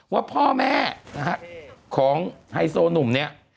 ว่าพ่อแม่นะฮะของไฮโซหนุ่มเนี่ย